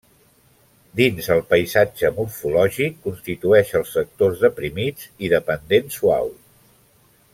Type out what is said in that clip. Dins el paisatge morfològic constitueix els sectors deprimits i de pendent suau.